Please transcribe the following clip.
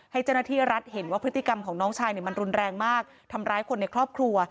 ให้เจ้าหน้าที่รัฐเห็นว่าพฤติกรรมของน้องชายเนี่ยมันรุนแรงมากทำร้ายคนในครอบครัว